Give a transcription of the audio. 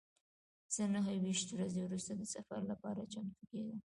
زه نهه ویشت ورځې وروسته د سفر لپاره چمتو کیږم.